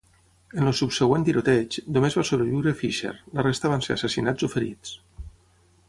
En el subsegüent tiroteig, només va sobreviure Fisher; la resta van ser assassinats o ferits.